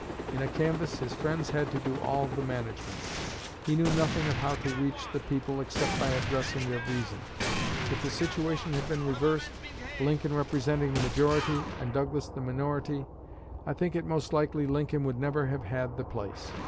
In a canvass his friends had to do all the management. He knew nothing of how to reach the people except by addressing their reason. If the situation had been reversed Lincoln representing the majority and Douglas the minority I think it most likely Lincoln would never have had the place.